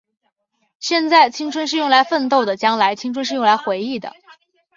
现在，青春是用来奋斗的；将来，青春是用来回忆的。